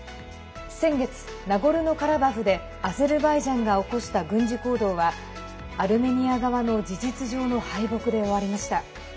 先月、ナゴルノカラバフでアゼルバイジャンが起こした軍事行動はアルメニア側の事実上の敗北で終わりました。